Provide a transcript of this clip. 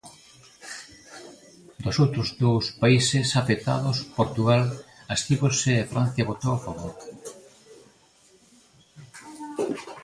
Dos outros dous países afectados, Portugal abstívose e Francia votou a favor.